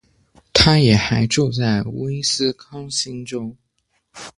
她也还住在威斯康星州。